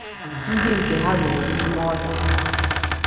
ndị nke ha zoro n'ime ọhịa